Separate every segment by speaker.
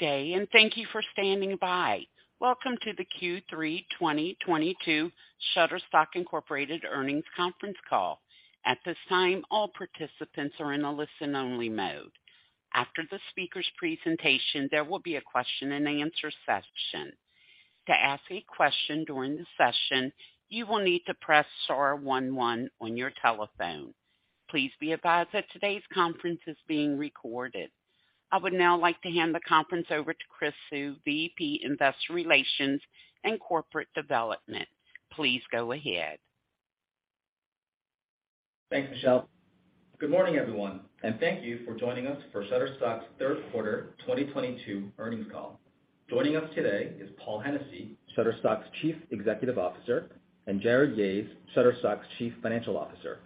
Speaker 1: Good day, and thank you for standing by. Welcome to the Q3 2022 Shutterstock, Inc. Earnings Conference Call. At this time, all participants are in a listen only mode. After the speaker's presentation, there will be a question and answer session. To ask a question during the session, you will need to press star one one on your telephone. Please be advised that today's conference is being recorded. I would now like to hand the conference over to Chris Suh, VP, Investor Relations and Corporate Development. Please go ahead.
Speaker 2: Thanks, Michelle. Good morning, everyone, and thank you for joining us for Shutterstock's third quarter 2022 earnings call. Joining us today is Paul Hennessy, Shutterstock's Chief Executive Officer, and Jarrod Yahes, Shutterstock's Chief Financial Officer.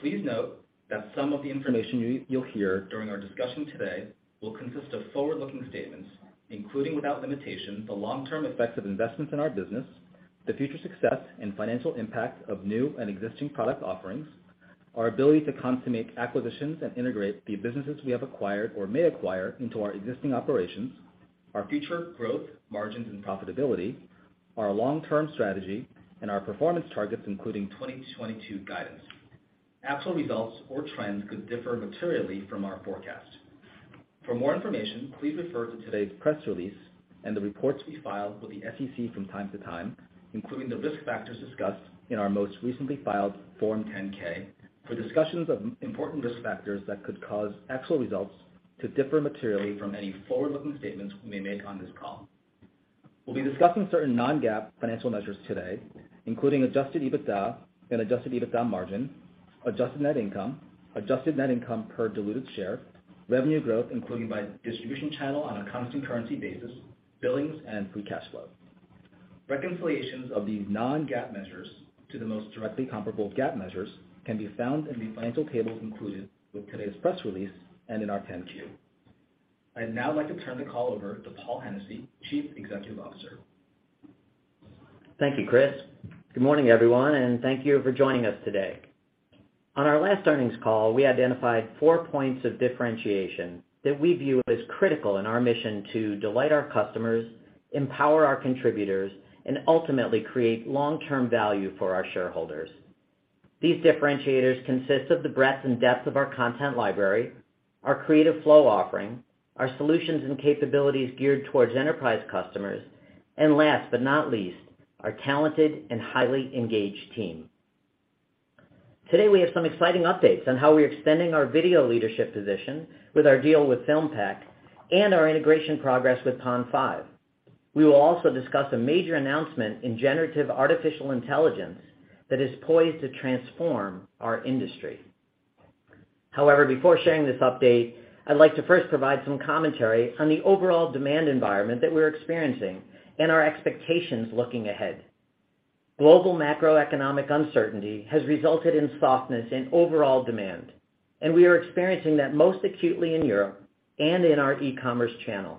Speaker 2: Please note that some of the information you'll hear during our discussion today will consist of forward-looking statements, including without limitation, the long term effects of investments in our business, the future success and financial impact of new and existing product offerings, our ability to consummate acquisitions and integrate the businesses we have acquired or may acquire into our existing operations, our future growth, margins and profitability, our long term strategy and our performance targets, including 2022 guidance. Actual results or trends could differ materially from our forecast. For more information, please refer to today's press release and the reports we file with the SEC from time to time, including the risk factors discussed in our most recently filed Form 10-K for discussions of important risk factors that could cause actual results to differ materially from any forward-looking statements we may make on this call. We'll be discussing certain non-GAAP financial measures today, including adjusted EBITDA and adjusted EBITDA margin, adjusted net income, adjusted net income per diluted share, revenue growth, including by distribution channel on a constant currency basis, billings and free cash flow. Reconciliations of these non-GAAP measures to the most directly comparable GAAP measures can be found in the financial tables included with today's press release and in our 10-Q. I'd now like to turn the call over to Paul Hennessy, Chief Executive Officer.
Speaker 3: Thank you, Chris. Good morning, everyone, and thank you for joining us today. On our last earnings call, we identified four points of differentiation that we view as critical in our mission to delight our customers, empower our contributors, and ultimately create long term value for our shareholders. These differentiators consist of the breadth and depth of our content library, our Creative Flow offering, our solutions and capabilities geared towards enterprise customers, and last but not least, our talented and highly engaged team. Today, we have some exciting updates on how we're extending our video leadership position with our deal with Filmpac and our integration progress with Pond5. We will also discuss a major announcement in generative artificial intelligence that is poised to transform our industry. However, before sharing this update, I'd like to first provide some commentary on the overall demand environment that we're experiencing and our expectations looking ahead. Global macroeconomic uncertainty has resulted in softness in overall demand, and we are experiencing that most acutely in Europe and in our e-commerce channel.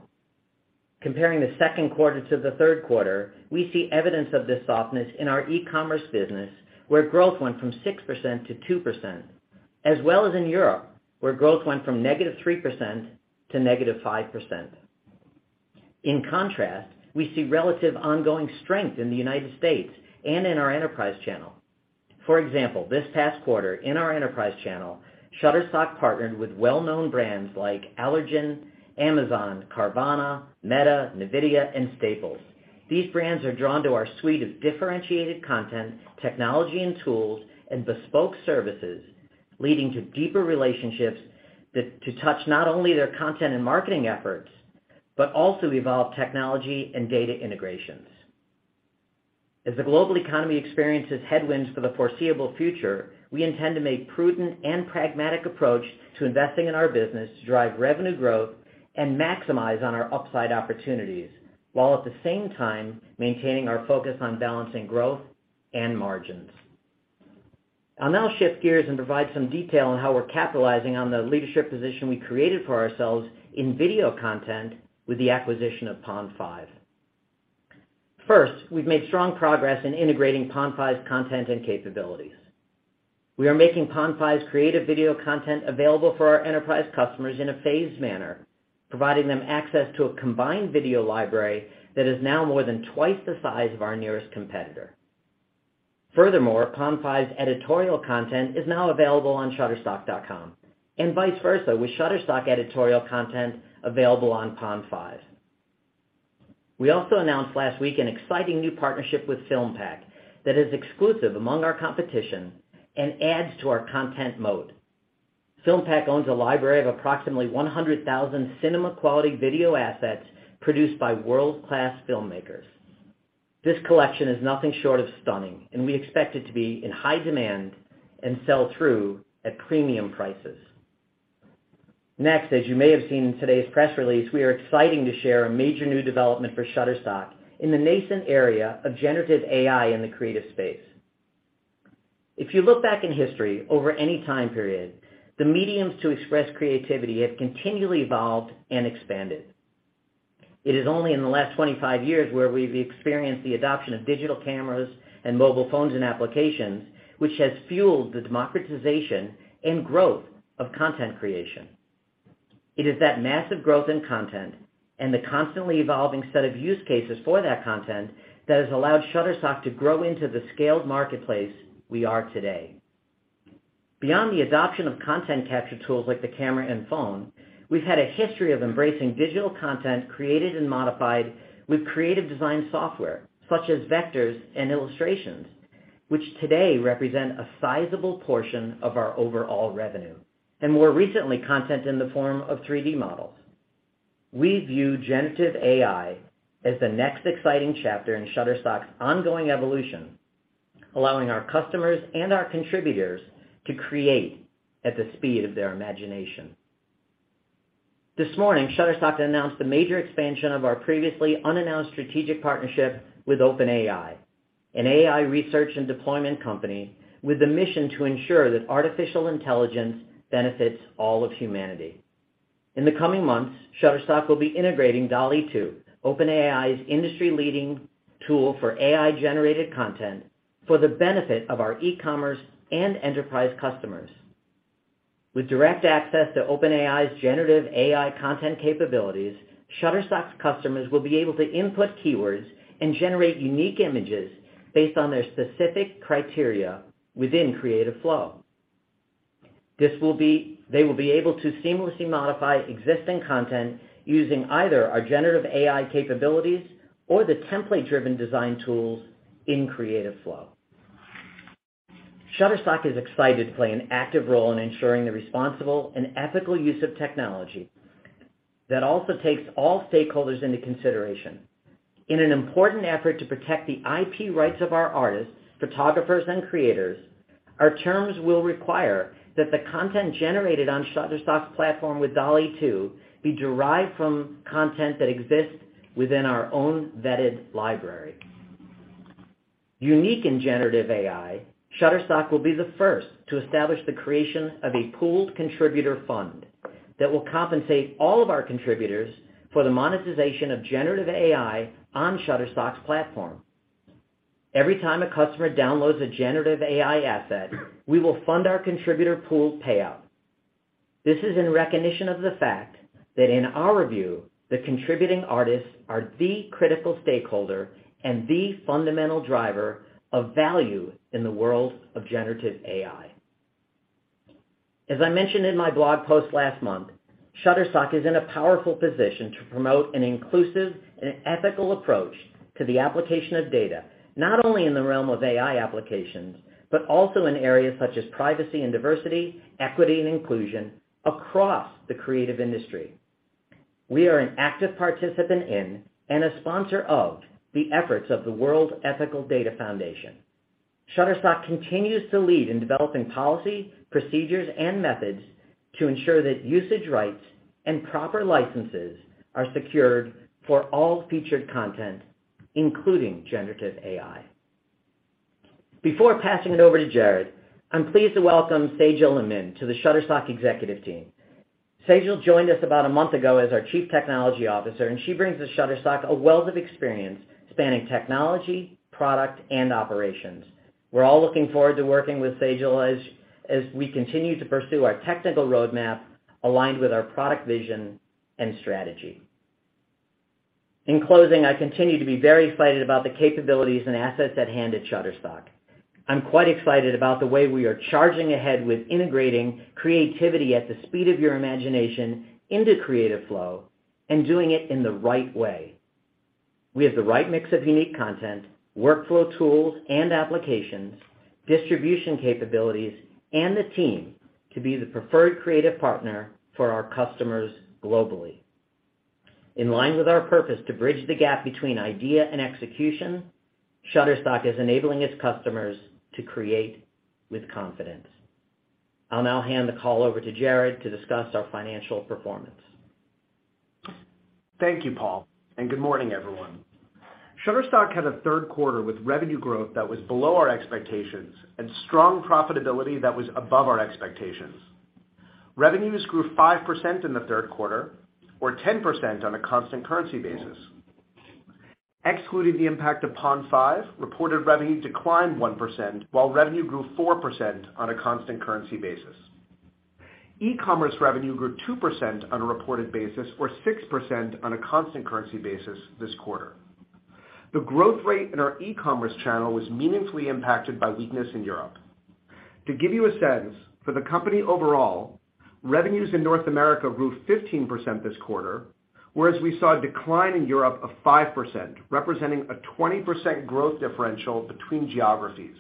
Speaker 3: Comparing the second quarter to the third quarter, we see evidence of this softness in our e-commerce business, where growth went from 6% to 2%, as well as in Europe, where growth went from -3% to -5%. In contrast, we see relative ongoing strength in the United States and in our enterprise channel. For example, this past quarter in our enterprise channel, Shutterstock partnered with well-known brands like Allergan, Amazon, Carvana, Meta, NVIDIA and Staples. These brands are drawn to our suite of differentiated content, technology and tools and bespoke services, leading to deeper relationships that touch not only their content and marketing efforts, but also evolve technology and data integrations. As the global economy experiences headwinds for the foreseeable future, we intend to make prudent and pragmatic approach to investing in our business to drive revenue growth and maximize on our upside opportunities, while at the same time maintaining our focus on balancing growth and margins. I'll now shift gears and provide some detail on how we're capitalizing on the leadership position we created for ourselves in video content with the acquisition of Pond5. First, we've made strong progress in integrating Pond5's content and capabilities. We are making Pond5's creative video content available for our enterprise customers in a phased manner, providing them access to a combined video library that is now more than twice the size of our nearest competitor. Furthermore, Pond5's editorial content is now available on shutterstock.com and vice versa, with Shutterstock editorial content available on Pond5. We also announced last week an exciting new partnership with Filmpac that is exclusive among our competition and adds to our content moat. Filmpac owns a library of approximately 100,000 cinema quality video assets produced by world-class filmmakers. This collection is nothing short of stunning, and we expect it to be in high demand and sell through at premium prices. Next, as you may have seen in today's press release, we are excited to share a major new development for Shutterstock in the nascent area of generative AI in the creative space. If you look back in history over any time period, the mediums to express creativity have continually evolved and expanded. It is only in the last 25 years where we've experienced the adoption of digital cameras and mobile phones and applications, which has fueled the democratization and growth of content creation. It is that massive growth in content and the constantly evolving set of use cases for that content that has allowed Shutterstock to grow into the scaled marketplace we are today. Beyond the adoption of content capture tools like the camera and phone, we've had a history of embracing digital content created and modified with creative design software such as vectors and illustrations, which today represent a sizable portion of our overall revenue, and more recently, content in the form of 3D models. We view generative AI as the next exciting chapter in Shutterstock's ongoing evolution, allowing our customers and our contributors to create at the speed of their imagination. This morning, Shutterstock announced the major expansion of our previously unannounced strategic partnership with OpenAI, an AI research and deployment company with the mission to ensure that artificial intelligence benefits all of humanity. In the coming months, Shutterstock will be integrating DALL-E 2, OpenAI's industry-leading tool for AI-generated content for the benefit of our e-commerce and enterprise customers. With direct access to OpenAI's generative AI content capabilities, Shutterstock's customers will be able to input keywords and generate unique images based on their specific criteria within Creative Flow. They will be able to seamlessly modify existing content using either our generative AI capabilities or the template-driven design tools in Creative Flow. Shutterstock is excited to play an active role in ensuring the responsible and ethical use of technology that also takes all stakeholders into consideration. In an important effort to protect the IP rights of our artists, photographers, and creators, our terms will require that the content generated on Shutterstock's platform with DALL-E 2 be derived from content that exists within our own vetted library. Unique in generative AI, Shutterstock will be the first to establish the creation of a pooled contributor fund that will compensate all of our contributors for the monetization of generative AI on Shutterstock's platform. Every time a customer downloads a generative AI asset, we will fund our contributor pool payout. This is in recognition of the fact that in our view, the contributing artists are the critical stakeholder and the fundamental driver of value in the world of generative AI. As I mentioned in my blog post last month, Shutterstock is in a powerful position to promote an inclusive and ethical approach to the application of data, not only in the realm of AI applications, but also in areas such as privacy and diversity, equity and inclusion across the creative industry. We are an active participant in and a sponsor of the efforts of the World Ethical Data Foundation. Shutterstock continues to lead in developing policy, procedures, and methods to ensure that usage rights and proper licenses are secured for all featured content, including generative AI. Before passing it over to Jarrod, I'm pleased to welcome Sejal Amin to the Shutterstock executive team. Sejal joined us about a month ago as our Chief Technology Officer, and she brings to Shutterstock a wealth of experience spanning technology, product, and operations. We're all looking forward to working with Sejal as we continue to pursue our technical roadmap aligned with our product vision and strategy. In closing, I continue to be very excited about the capabilities and assets at hand at Shutterstock. I'm quite excited about the way we are charging ahead with integrating creativity at the speed of your imagination into Creative Flow and doing it in the right way. We have the right mix of unique content, workflow tools and applications, distribution capabilities, and the team to be the preferred creative partner for our customers globally. In line with our purpose to bridge the gap between idea and execution, Shutterstock is enabling its customers to create with confidence. I'll now hand the call over to Jarrod to discuss our financial performance.
Speaker 4: Thank you, Paul, and good morning, everyone. Shutterstock had a third quarter with revenue growth that was below our expectations and strong profitability that was above our expectations. Revenues grew 5% in the third quarter or 10% on a constant currency basis. Excluding the impact of Pond5, reported revenue declined 1% while revenue grew 4% on a constant currency basis. E-commerce revenue grew 2% on a reported basis or 6% on a constant currency basis this quarter. The growth rate in our e-commerce channel was meaningfully impacted by weakness in Europe. To give you a sense, for the company overall, revenues in North America grew 15% this quarter, whereas we saw a decline in Europe of 5%, representing a 20% growth differential between geographies.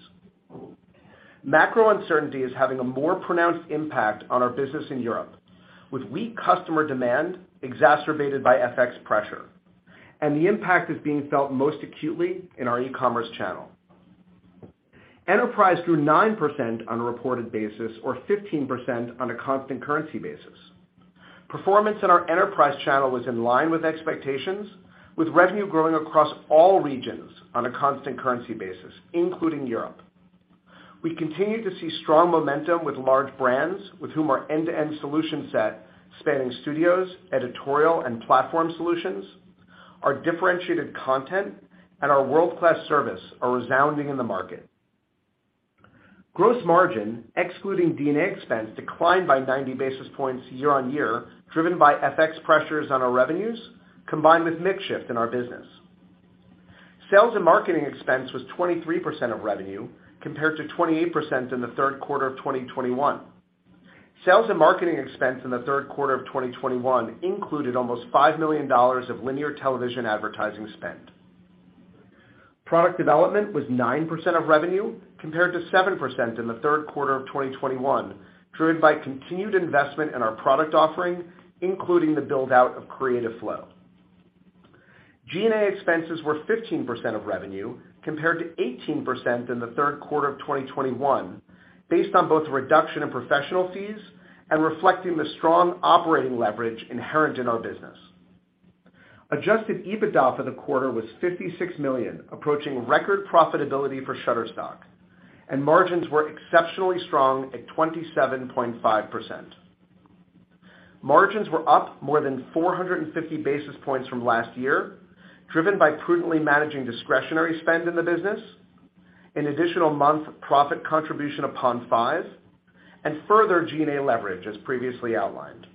Speaker 4: Macro uncertainty is having a more pronounced impact on our business in Europe, with weak customer demand exacerbated by FX pressure, and the impact is being felt most acutely in our e-commerce channel. Enterprise grew 9% on a reported basis or 15% on a constant currency basis. Performance in our enterprise channel was in line with expectations, with revenue growing across all regions on a constant currency basis, including Europe. We continue to see strong momentum with large brands with whom our end-to-end solution set spanning studios, editorial, and platform solutions, our differentiated content, and our world-class service are resounding in the market. Gross margin, excluding D&A expense, declined by 90 basis points year on year, driven by FX pressures on our revenues combined with mix shift in our business. Sales and marketing expense was 23% of revenue compared to 28% in the third quarter of 2021. Sales and marketing expense in the third quarter of 2021 included almost $5 million of linear television advertising spend. Product development was 9% of revenue compared to 7% in the third quarter of 2021, driven by continued investment in our product offering, including the build-out of Creative Flow. G&A expenses were 15% of revenue compared to 18% in the third quarter of 2021 based on both the reduction in professional fees and reflecting the strong operating leverage inherent in our business. Adjusted EBITDA for the quarter was $56 million, approaching record profitability for Shutterstock, and margins were exceptionally strong at 27.5%. Margins were up more than 450 basis points from last year, driven by prudently managing discretionary spend in the business, an additional month profit contribution from Pond5, and further G&A leverage as previously outlined.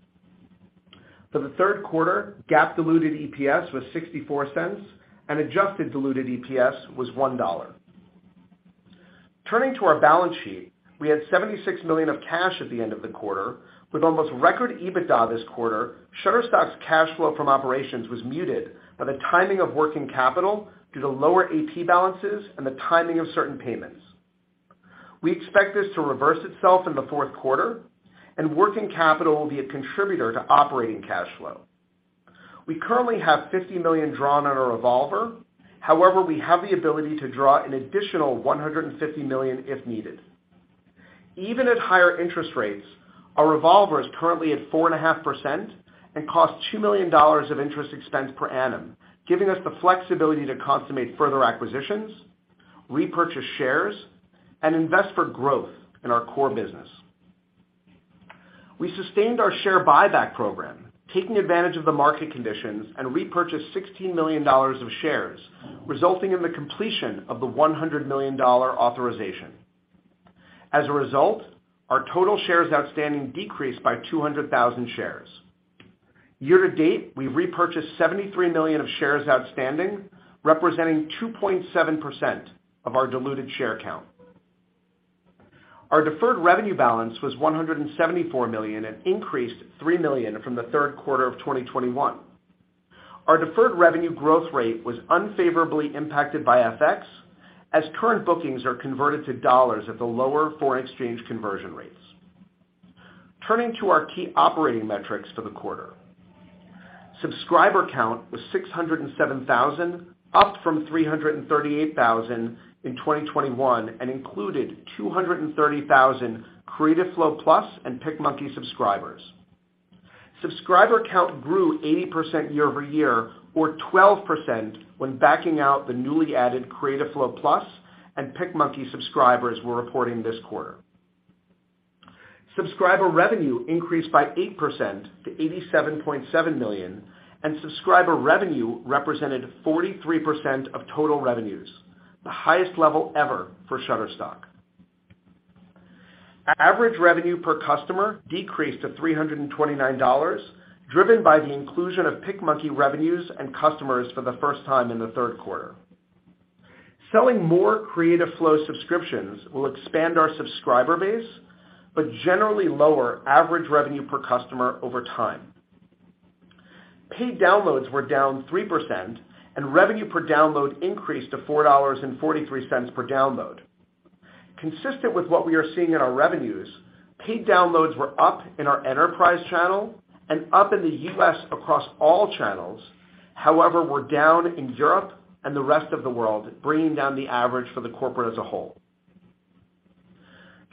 Speaker 4: For the third quarter, GAAP diluted EPS was $0.64 and adjusted diluted EPS was $1. Turning to our balance sheet, we had $76 million of cash at the end of the quarter. With almost record EBITDA this quarter, Shutterstock's cash flow from operations was muted by the timing of working capital due to lower AP balances and the timing of certain payments. We expect this to reverse itself in the fourth quarter and working capital will be a contributor to operating cash flow. We currently have $50 million drawn on our revolver. However, we have the ability to draw an additional $150 million if needed. Even at higher interest rates, our revolver is currently at 4.5% and costs $2 million of interest expense per annum, giving us the flexibility to consummate further acquisitions, repurchase shares, and invest for growth in our core business. We sustained our share buyback program, taking advantage of the market conditions, and repurchased $16 million of shares, resulting in the completion of the $100 million authorization. As a result, our total shares outstanding decreased by 200,000 shares. Year to date, we've repurchased $73 million of shares outstanding, representing 2.7% of our diluted share count. Our deferred revenue balance was $174 million and increased $3 million from the third quarter of 2021. Our deferred revenue growth rate was unfavorably impacted by FX as current bookings are converted to dollars at the lower foreign exchange conversion rates. Turning to our key operating metrics for the quarter. Subscriber count was 607,000, up from 338,000 in 2021 and included 230,000 Creative Flow Plus and PicMonkey subscribers. Subscriber count grew 80% year-over-year or 12% when backing out the newly added Creative Flow Plus and PicMonkey subscribers we're reporting this quarter. Subscriber revenue increased by 8% to $87.7 million, and subscriber revenue represented 43% of total revenues, the highest level ever for Shutterstock. Average revenue per customer decreased to $329, driven by the inclusion of PicMonkey revenues and customers for the first time in the third quarter. Selling more Creative Flow subscriptions will expand our subscriber base, but generally lower average revenue per customer over time. Paid downloads were down 3% and revenue per download increased to $4.43 per download. Consistent with what we are seeing in our revenues, paid downloads were up in our enterprise channel and up in the U.S. across all channels. However, we're down in Europe and the rest of the world, bringing down the average for the corporate as a whole.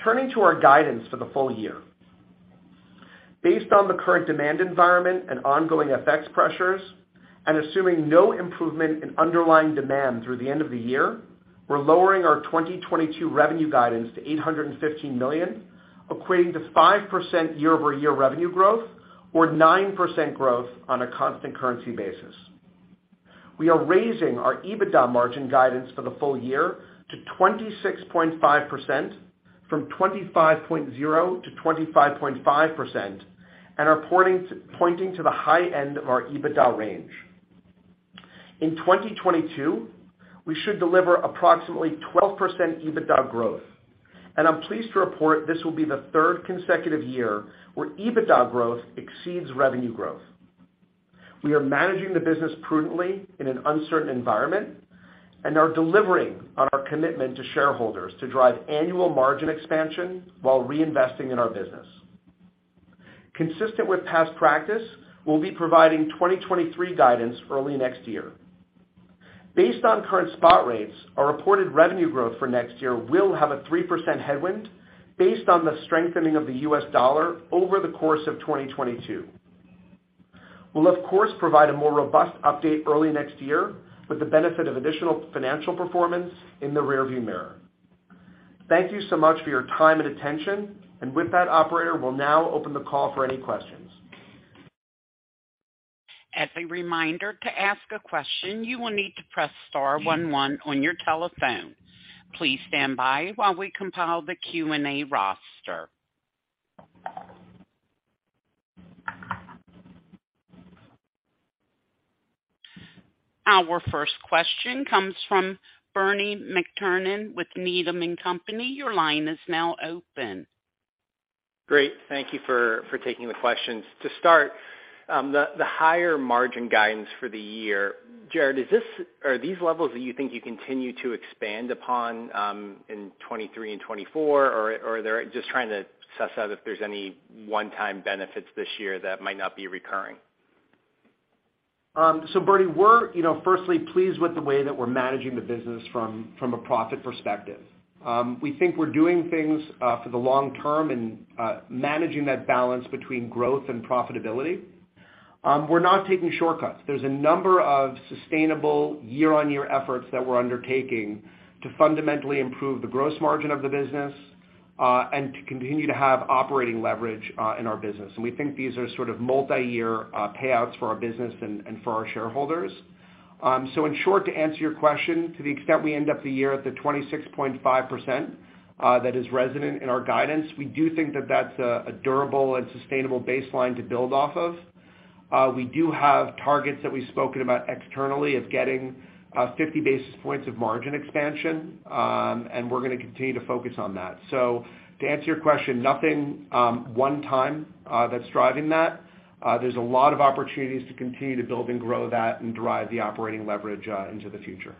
Speaker 4: Turning to our guidance for the full year. Based on the current demand environment and ongoing FX pressures and assuming no improvement in underlying demand through the end of the year, we're lowering our 2022 revenue guidance to $815 million, equating to 5% year-over-year revenue growth or 9% growth on a constant currency basis. We are raising our EBITDA margin guidance for the full year to 26.5% from 25.0%-25.5% and are pointing to the high end of our EBITDA range. In 2022, we should deliver approximately 12% EBITDA growth, and I'm pleased to report this will be the third consecutive year where EBITDA growth exceeds revenue growth. We are managing the business prudently in an uncertain environment and are delivering on our commitment to shareholders to drive annual margin expansion while reinvesting in our business. Consistent with past practice, we'll be providing 2023 guidance early next year.. Based on current spot rates, our reported revenue growth for next year will have a 3% headwind based on the strengthening of the U.S. dollar over the course of 2022. We'll of course, provide a more robust update early next year with the benefit of additional financial performance in the rearview mirror. Thank you so much for your time and attention. With that, operator, we'll now open the call for any questions.
Speaker 1: As a reminder, to ask a question, you will need to press star one one on your telephone. Please stand by while we compile the Q&A roster. Our first question comes from Bernie McTernan with Needham & Company. Your line is now open.
Speaker 5: Great. Thank you for taking the questions. To start, the higher margin guidance for the year. Jarrod, are these levels that you think you continue to expand upon in 2023 and 2024, or are there one-time benefits this year that might not be recurring. Just trying to suss out if there's any one-time benefits this year that might not be recurring.
Speaker 4: Bernie, we're, you know, firstly pleased with the way that we're managing the business from a profit perspective. We think we're doing things for the long term and managing that balance between growth and profitability. We're not taking shortcuts. There's a number of sustainable year-over-year efforts that we're undertaking to fundamentally improve the gross margin of the business and to continue to have operating leverage in our business. We think these are sort of multi-year payouts for our business and for our shareholders. In short, to answer your question, to the extent we end of the year at the 26.5% that is reflected in our guidance, we do think that that's a durable and sustainable baseline to build off of. We do have targets that we've spoken about externally of getting 50 basis points of margin expansion, and we're gonna continue to focus on that. To answer your question, nothing one time that's driving that. There's a lot of opportunities to continue to build and grow that and drive the operating leverage into the future.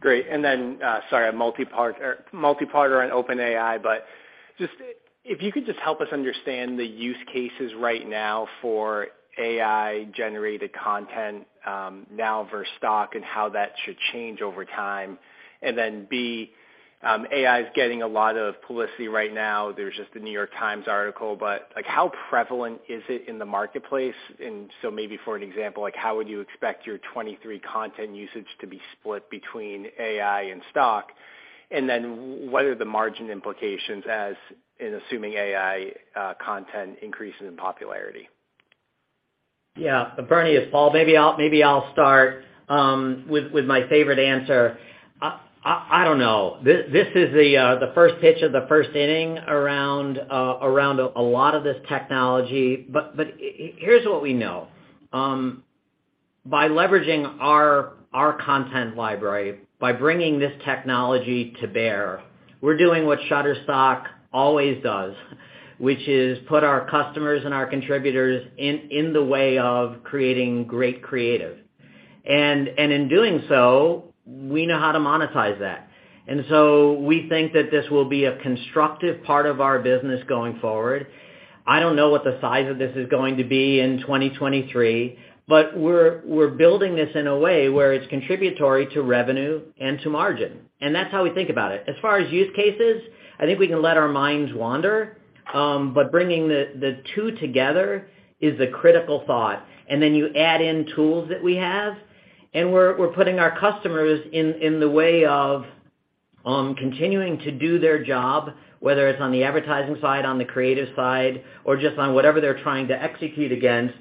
Speaker 5: Great. Then, sorry, a multipart on OpenAI, but just if you could just help us understand the use cases right now for AI-generated content, now versus stock and how that should change over time. Then B, AI is getting a lot of publicity right now. There's just The New York Times article, but, like, how prevalent is it in the marketplace? So maybe for an example, like, how would you expect your 2023 content usage to be split between AI and stock? Then what are the margin implications as in assuming AI content increases in popularity?
Speaker 3: Yeah. Bernie, it's Paul. Maybe I'll start with my favorite answer. I don't know. This is the first pitch of the first inning around a lot of this technology. Here's what we know. By leveraging our content library, by bringing this technology to bear, we're doing what Shutterstock always does, which is put our customers and our contributors in the way of creating great creative. In doing so, we know how to monetize that. We think that this will be a constructive part of our business going forward. I don't know what the size of this is going to be in 2023, but we're building this in a way where it's contributory to revenue and to margin, and that's how we think about it. As far as use cases, I think we can let our minds wander, but bringing the two together is a critical thought. You add in tools that we have, and we're putting our customers in the way of continuing to do their job, whether it's on the advertising side, on the creative side, or just on whatever they're trying to execute against,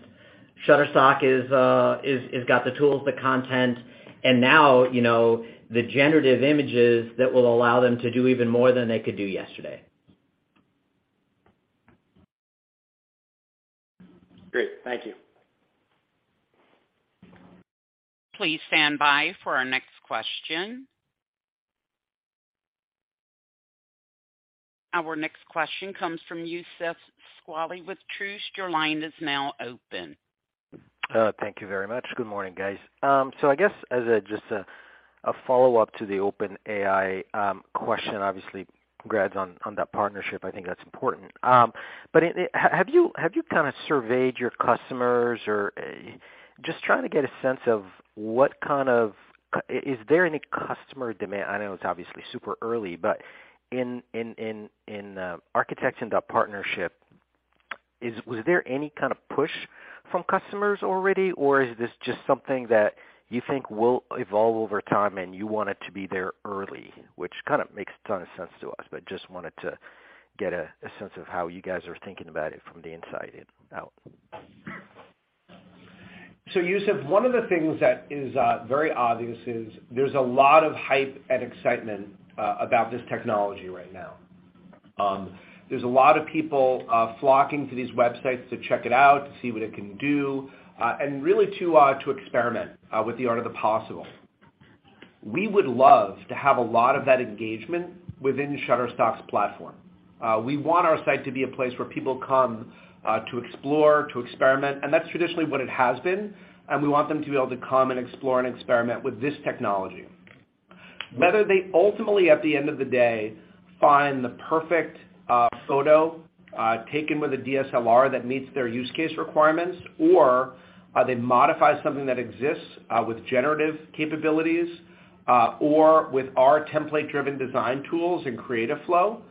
Speaker 3: Shutterstock has got the tools, the content, and now, you know, the generative images that will allow them to do even more than they could do yesterday.
Speaker 5: Great. Thank you.
Speaker 1: Please stand by for our next question. Our next question comes from Youssef Squali with Truist. Your line is now open.
Speaker 6: Thank you very much. Good morning, guys. I guess as just a follow-up to the OpenAI question, obviously congrats on that partnership, I think that's important. Have you kinda surveyed your customers? Is there any customer demand? I know it's obviously super early, but entering into a partnership, was there any kind of push from customers already, or is this just something that you think will evolve over time and you want it to be there early, which kind of makes a ton of sense to us. Just wanted to get a sense of how you guys are thinking about it from the inside out.
Speaker 4: Youssef, one of the things that is very obvious is there's a lot of hype and excitement about this technology right now. There's a lot of people flocking to these websites to check it out, to see what it can do, and really to experiment with the art of the possible. We would love to have a lot of that engagement within Shutterstock's platform. We want our site to be a place where people come to explore, to experiment, and that's traditionally what it has been, and we want them to be able to come and explore and experiment with this technology. Whether they ultimately, at the end of the day, find the perfect photo taken with a DSLR that meets their use case requirements or they modify something that exists with generative capabilities or with our template-driven design tools in Creative Flow.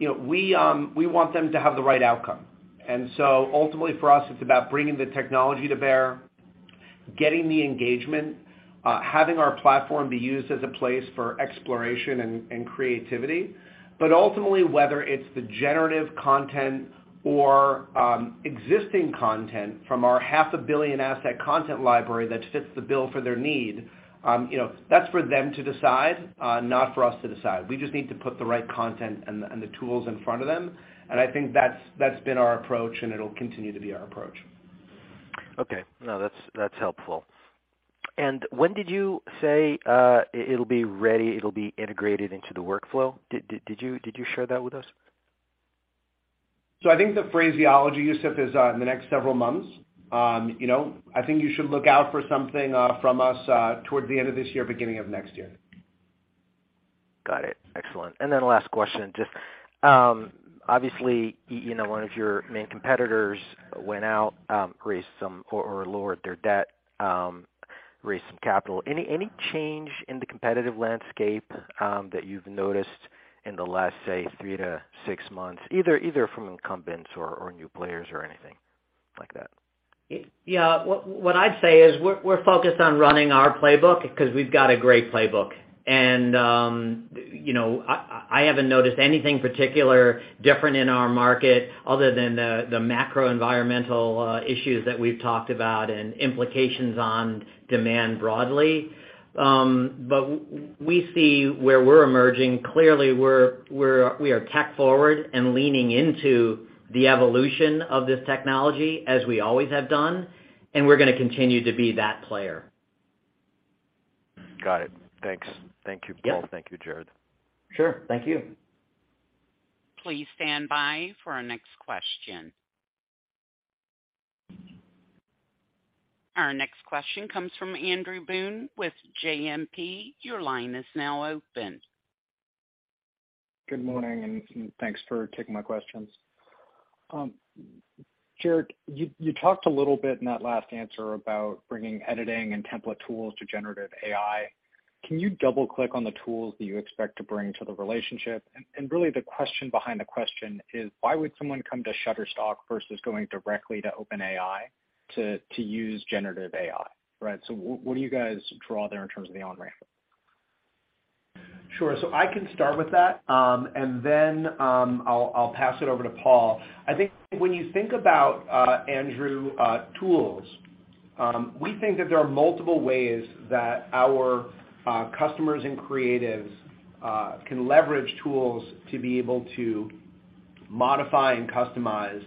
Speaker 4: You know we want them to have the right outcome. Ultimately for us, it's about bringing the technology to bear, getting the engagement, having our platform be used as a place for exploration and creativity. Ultimately, whether it's the generative content or existing content from our 500 million asset content library that fits the bill for their need, you know, that's for them to decide, not for us to decide. We just need to put the right content and the tools in front of them, and I think that's been our approach, and it'll continue to be our approach.
Speaker 6: Okay. No, that's helpful. When did you say it'll be ready, it'll be integrated into the workflow? Did you share that with us?
Speaker 4: I think the phraseology, Youssef, is in the next several months. You know, I think you should look out for something from us towards the end of this year, beginning of next year.
Speaker 6: Got it. Excellent. Last question. Just, obviously, you know, one of your main competitors went out, raised some capital or lowered their debt. Any change in the competitive landscape that you've noticed in the last, say, three to six months, either from incumbents or new players or anything like that?
Speaker 3: Yeah. What I'd say is we're focused on running our playbook because we've got a great playbook. You know, I haven't noticed anything particular different in our market other than the macro environmental issues that we've talked about and implications on demand broadly. We see where we're emerging. Clearly, we are tech forward and leaning into the evolution of this technology as we always have done, and we're gonna continue to be that player.
Speaker 6: Got it. Thanks. Thank you, Paul. Thank you, Jarrod.
Speaker 4: Sure. Thank you.
Speaker 1: Please stand by for our next question. Our next question comes from Andrew Boone with JMP. Your line is now open.
Speaker 7: Good morning, and thanks for taking my questions. Jarrod, you talked a little bit in that last answer about bringing editing and template tools to generative AI. Can you double-click on the tools that you expect to bring to the relationship? Really the question behind the question is why would someone come to Shutterstock versus going directly to OpenAI to use generative AI, right? What do you guys draw there in terms of the on-ramp?
Speaker 4: Sure. I can start with that, and then I'll pass it over to Paul. I think when you think about, Andrew, tools, we think that there are multiple ways that our customers and creatives can leverage tools to be able to modify and customize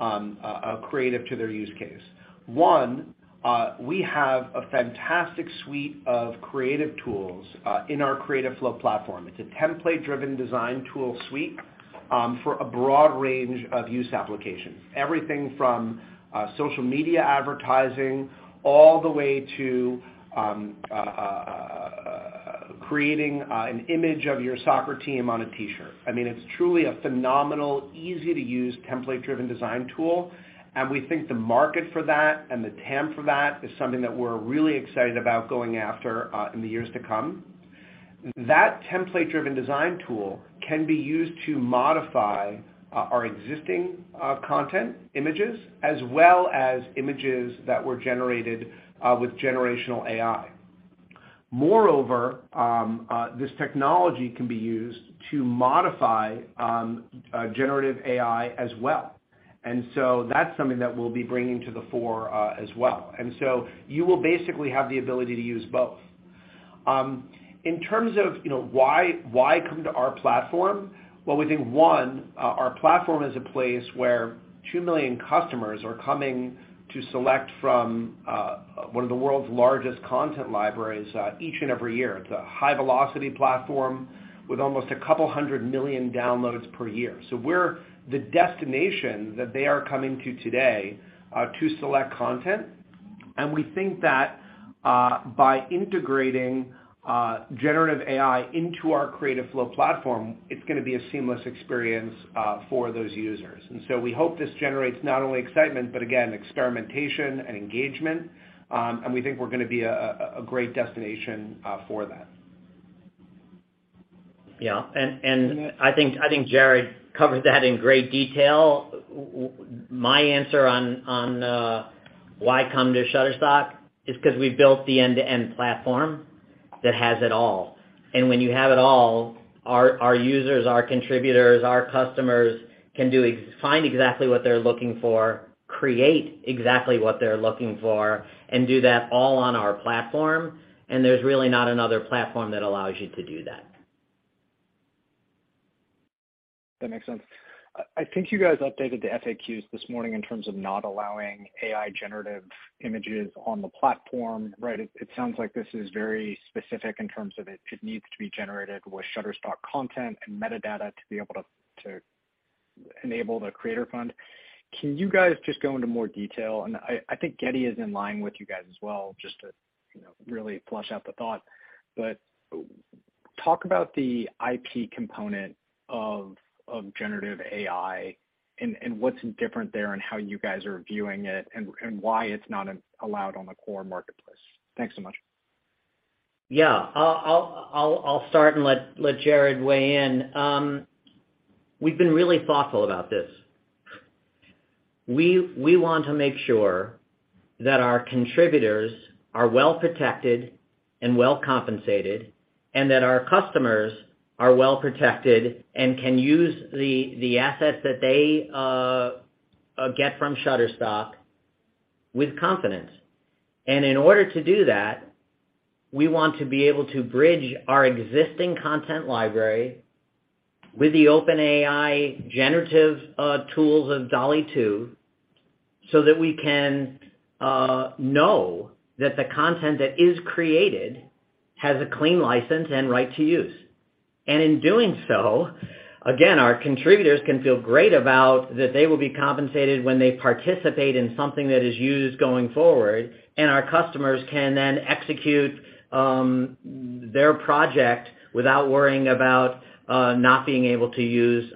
Speaker 4: a creative to their use case. One, we have a fantastic suite of creative tools in our Creative Flow platform. It's a template-driven design tool suite for a broad range of use applications, everything from social media advertising all the way to creating an image of your soccer team on a T-shirt. I mean, it's truly a phenomenal, easy-to-use template-driven design tool, and we think the market for that and the TAM for that is something that we're really excited about going after, in the years to come. That template-driven design tool can be used to modify our existing content images as well as images that were generated with generative AI. Moreover, this technology can be used to modify generative AI as well. That's something that we'll be bringing to the fore, as well. You will basically have the ability to use both. In terms of, you know, why come to our platform, well, we think, one, our platform is a place where two million customers are coming to select from one of the world's largest content libraries, each and every year. It's a high-velocity platform with almost 200 million downloads per year. We're the destination that they are coming to today, to select content. We think that by integrating generative AI into our Creative Flow platform, it's gonna be a seamless experience for those users. We hope this generates not only excitement, but again, experimentation and engagement, and we think we're gonna be a great destination for that.
Speaker 3: Yeah. I think Jarrod covered that in great detail. My answer on why come to Shutterstock is 'cause we've built the end-to-end platform that has it all. When you have it all, our users, our contributors, our customers can find exactly what they're looking for, create exactly what they're looking for, and do that all on our platform, and there's really not another platform that allows you to do that.
Speaker 7: That makes sense. I think you guys updated the FAQs this morning in terms of not allowing AI generative images on the platform, right? It sounds like this is very specific in terms of it needs to be generated with Shutterstock content and metadata to be able to enable the creator fund. Can you guys just go into more detail? I think Getty is in line with you guys as well, just to, you know, really flesh out the thought. Talk about the IP component of generative AI and what's different there and how you guys are viewing it and why it's not allowed on the core marketplace. Thanks so much.
Speaker 3: Yeah. I'll start and let Jarrod weigh in. We've been really thoughtful about this. We want to make sure that our contributors are well protected and well compensated, and that our customers are well protected and can use the assets that they get from Shutterstock with confidence. In order to do that, we want to be able to bridge our existing content library with the OpenAI generative tools of DALL-E 2 so that we can know that the content that is created has a clean license and right to use. In doing so, again, our contributors can feel great about that they will be compensated when they participate in something that is used going forward, and our customers can then execute their project without worrying about not being able to use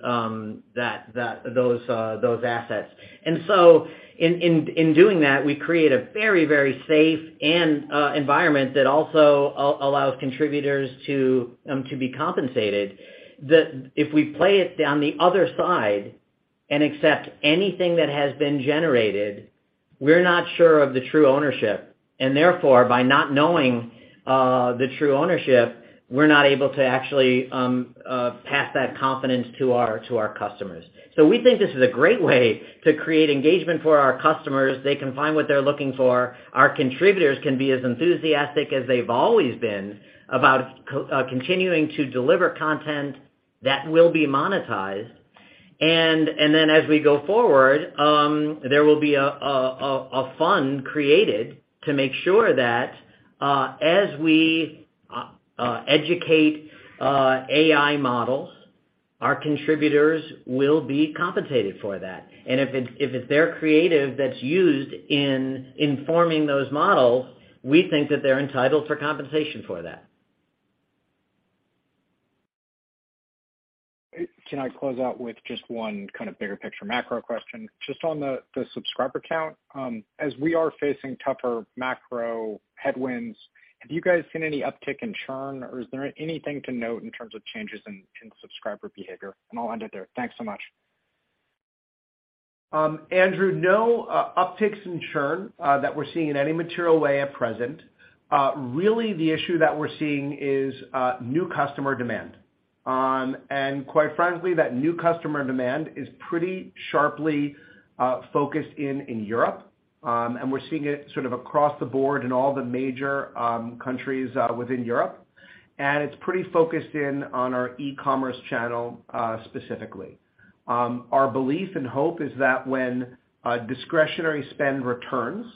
Speaker 3: that. Those assets. In doing that, we create a very safe environment that also allows contributors to be compensated. If we play it down the other side and accept anything that has been generated, we're not sure of the true ownership. Therefore, by not knowing the true ownership, we're not able to actually pass that confidence to our customers. We think this is a great way to create engagement for our customers. They can find what they're looking for. Our contributors can be as enthusiastic as they've always been about continuing to deliver content that will be monetized. As we go forward, there will be a fund created to make sure that, as we educate AI models, our contributors will be compensated for that. If it's their creative that's used in informing those models, we think that they're entitled for compensation for that.
Speaker 7: Can I close out with just one kind of bigger picture macro question? Just on the subscriber count, as we are facing tougher macro headwinds, have you guys seen any uptick in churn, or is there anything to note in terms of changes in subscriber behavior? I'll end it there. Thanks so much.
Speaker 4: Andrew, no upticks in churn that we're seeing in any material way at present. Really the issue that we're seeing is new customer demand. Quite frankly, that new customer demand is pretty sharply focused in Europe, and we're seeing it sort of across the board in all the major countries within Europe, and it's pretty focused in on our e-commerce channel specifically. Our belief and hope is that when discretionary spend returns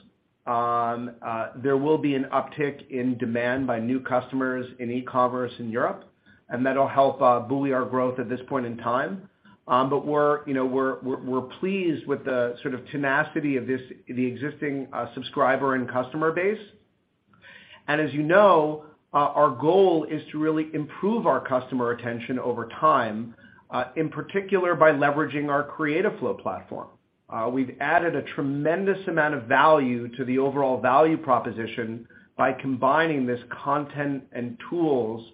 Speaker 4: there will be an uptick in demand by new customers in e-commerce in Europe, and that'll help buoy our growth at this point in time. We're you know pleased with the sort of tenacity of this the existing subscriber and customer base. As you know, our goal is to really improve our customer retention over time, in particular by leveraging our Creative Flow platform. We've added a tremendous amount of value to the overall value proposition by combining this content and tools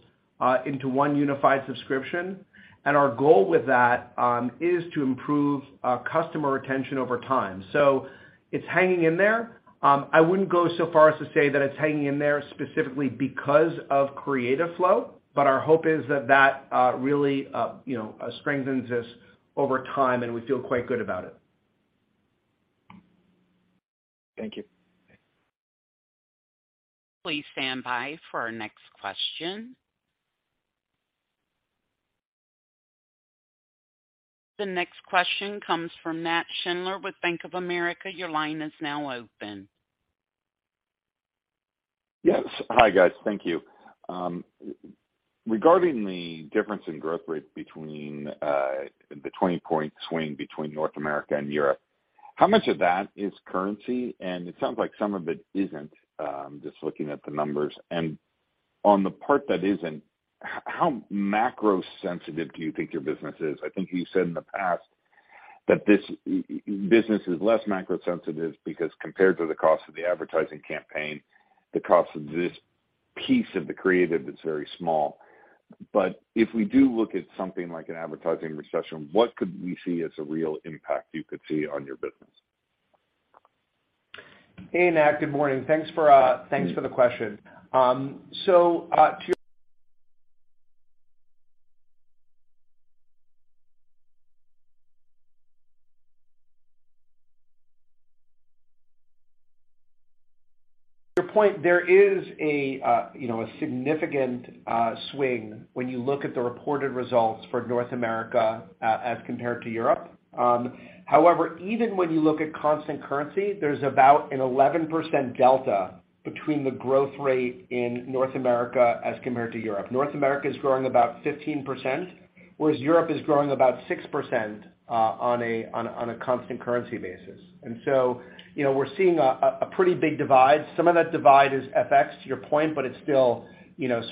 Speaker 4: into one unified subscription. Our goal with that is to improve customer retention over time. So it's hanging in there. I wouldn't go so far as to say that it's hanging in there specifically because of Creative Flow, but our hope is that that really you know strengthens this over time, and we feel quite good about it.
Speaker 7: Thank you.
Speaker 1: Please stand by for our next question. The next question comes from Nat Schindler with Bank of America. Your line is now open.
Speaker 8: Yes. Hi, guys. Thank you. Regarding the difference in growth rate between the 20-point swing between North America and Europe, how much of that is currency? It sounds like some of it isn't, just looking at the numbers. On the part that isn't, how macro sensitive do you think your business is? I think you said in the past that this business is less macro sensitive because compared to the cost of the advertising campaign, the cost of this piece of the creative is very small. If we do look at something like an advertising recession, what could we see as a real impact you could see on your business?
Speaker 4: Hey, Nat. Good morning. Thanks for the question. To your point, there is, you know, a significant swing when you look at the reported results for North America as compared to Europe. However, even when you look at constant currency, there's about an 11% delta between the growth rate in North America as compared to Europe. North America is growing about 15%. Whereas Europe is growing about 6% on a constant currency basis. You know, we're seeing a pretty big divide. Some of that divide is FX to your point, but it's still, you know.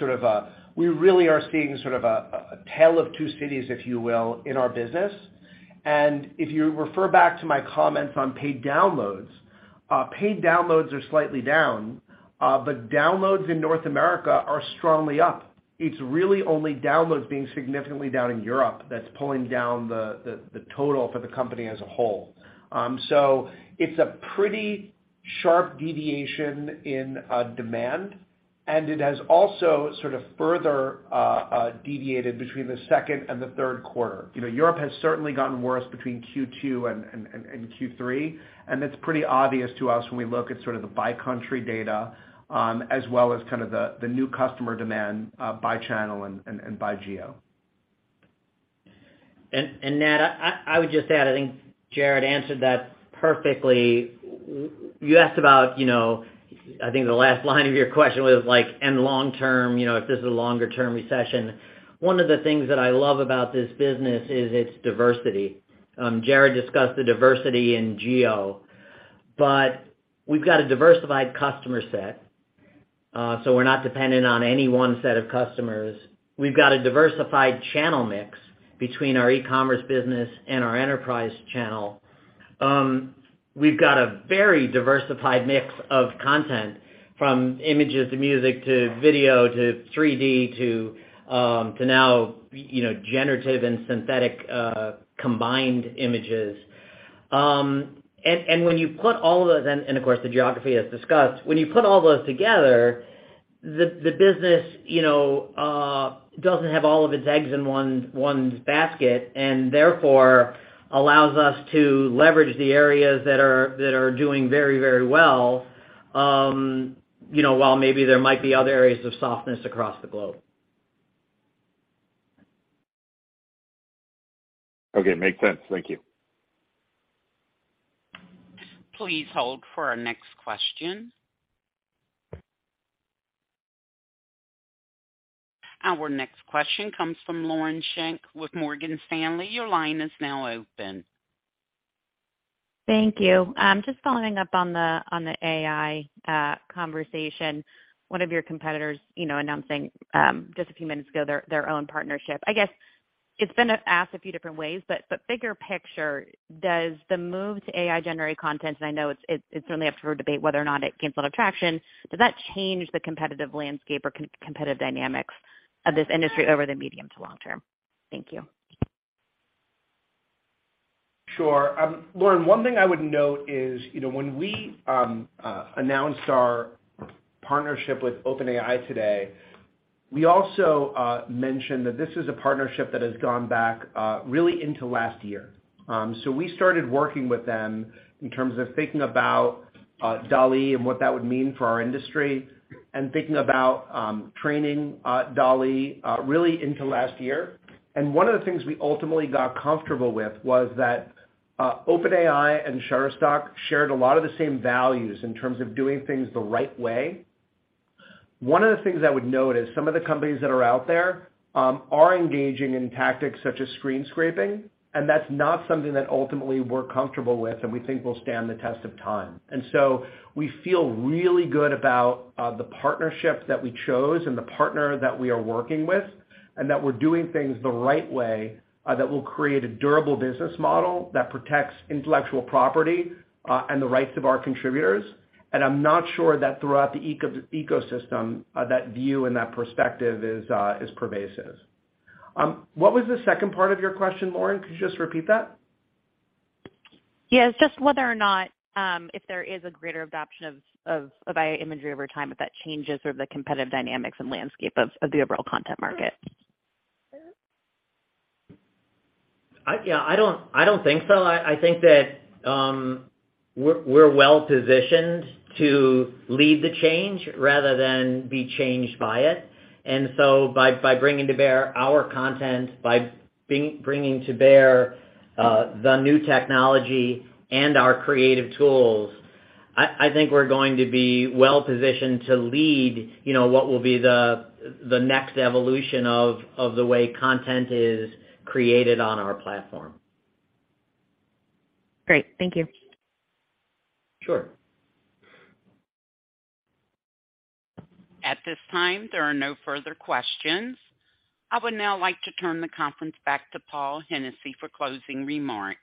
Speaker 4: We really are seeing sort of a tale of two cities, if you will, in our business. If you refer back to my comments on paid downloads, paid downloads are slightly down, but downloads in North America are strongly up. It's really only downloads being significantly down in Europe that's pulling down the total for the company as a whole. So it's a pretty sharp deviation in demand, and it has also sort of further deviated between the second and the third quarter. You know, Europe has certainly gotten worse between Q2 and Q3, and that's pretty obvious to us when we look at sort of the by-country data, as well as kind of the new customer demand by channel and by geo.
Speaker 3: Nat, I would just add, I think Jarrod answered that perfectly. You asked about, you know, I think the last line of your question was like, and long term, you know, if this is a longer term recession. One of the things that I love about this business is its diversity. Jarrod discussed the diversity in geo, but we've got a diversified customer set, so we're not dependent on any one set of customers. We've got a diversified channel mix between our e-commerce business and our enterprise channel. We've got a very diversified mix of content from images to music to video to 3D to now, you know, generative and synthetic combined images. When you put all of those, and of course the geography as discussed, together, the business, you know, doesn't have all of its eggs in one basket and therefore allows us to leverage the areas that are doing very well, you know, while maybe there might be other areas of softness across the globe.
Speaker 8: Okay. Makes sense. Thank you.
Speaker 1: Please hold for our next question. Our next question comes from Lauren Schenk with Morgan Stanley. Your line is now open.
Speaker 9: Thank you. Just following up on the AI conversation. One of your competitors, you know, announcing just a few minutes ago their own partnership. I guess it's been asked a few different ways, but bigger picture, does the move to AI generate content, and I know it's certainly up for debate whether or not it gains a lot of traction, does that change the competitive landscape or competitive dynamics of this industry over the medium to long term? Thank you.
Speaker 4: Sure. Lauren, one thing I would note is, you know, when we announced our partnership with OpenAI today, we also mentioned that this is a partnership that has gone back really into last year. We started working with them in terms of thinking about DALL-E and what that would mean for our industry, and thinking about training DALL-E really into last year. One of the things we ultimately got comfortable with was that OpenAI and Shutterstock shared a lot of the same values in terms of doing things the right way. One of the things I would note is some of the companies that are out there are engaging in tactics such as screen scraping, and that's not something that ultimately we're comfortable with and we think will stand the test of time. We feel really good about the partnerships that we chose and the partner that we are working with, and that we're doing things the right way, that will create a durable business model that protects intellectual property, and the rights of our contributors. I'm not sure that throughout the ecosystem, that view and that perspective is pervasive. What was the second part of your question, Lauren? Could you just repeat that?
Speaker 9: Yeah, it's just whether or not, if there is a greater adoption of AI imagery over time, if that changes sort of the competitive dynamics and landscape of the overall content market.
Speaker 3: Yeah, I don't think so. I think that we're well positioned to lead the change rather than be changed by it. By bringing to bear our content, by bringing to bear the new technology and our creative tools, I think we're going to be well positioned to lead, you know, what will be the next evolution of the way content is created on our platform.
Speaker 9: Great. Thank you.
Speaker 3: Sure.
Speaker 1: At this time, there are no further questions. I would now like to turn the conference back to Paul Hennessy for closing remarks.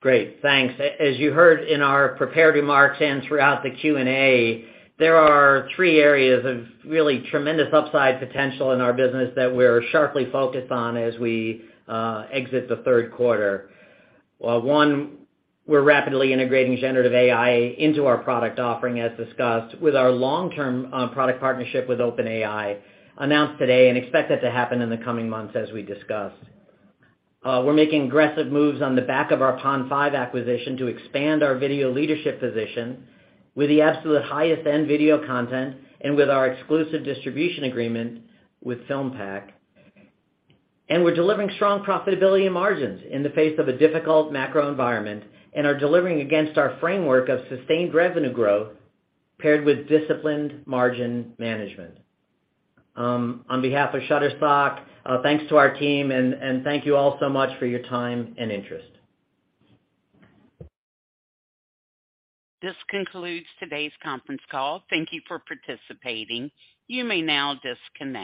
Speaker 3: Great. Thanks. As you heard in our prepared remarks and throughout the Q&A, there are three areas of really tremendous upside potential in our business that we're sharply focused on as we exit the third quarter. One, we're rapidly integrating generative AI into our product offering, as discussed with our long-term product partnership with OpenAI, announced today and expect it to happen in the coming months as we discussed. We're making aggressive moves on the back of our Pond5 acquisition to expand our video leadership position with the absolute highest end video content and with our exclusive distribution agreement with Filmpac. We're delivering strong profitability and margins in the face of a difficult macro environment, and are delivering against our framework of sustained revenue growth paired with disciplined margin management. On behalf of Shutterstock, thanks to our team and thank you all so much for your time and interest.
Speaker 1: This concludes today's conference call. Thank you for participating. You may now disconnect.